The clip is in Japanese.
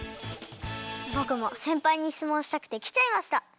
ぼくもせんぱいにしつもんしたくてきちゃいました！